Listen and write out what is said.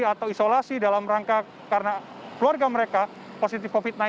atau isolasi dalam rangka karena keluarga mereka positif covid sembilan belas